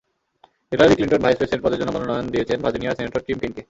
Hillary Clinton vice president পদের জন্য মনোনয়ন দিয়েছেন ভার্জিনিয়ার সিনেটর টিম কেইনকে।